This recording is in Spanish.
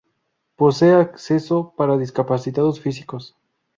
Posee acceso para discapacitados físicos.